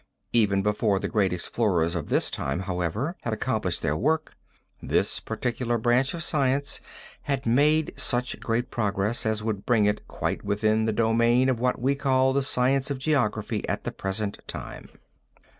Even before the great explorers of this time, however, had accomplished their work, this particular branch of science had made such great progress as would bring it quite within the domain of what we call the science of geography at the present time.